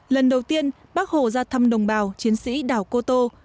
lần đầu tiên bác hồ ra thăm đồng bào chiến sĩ đảo cô tô